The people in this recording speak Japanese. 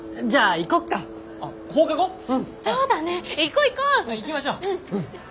行きましょう。